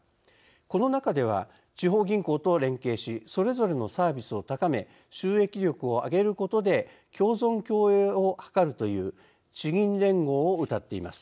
この中では地方銀行と連携しそれぞれのサービスを高め収益力を上げることで共存共栄を図るという「地銀連合」をうたっています。